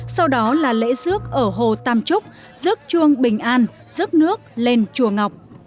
sau đó là lễ rước ở hồ tam trúc rước chuông bình an rước nước lên chùa ngọc